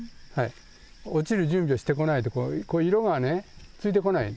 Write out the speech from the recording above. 落ちる準備をしてこないと、こういう色がね、ついてこない。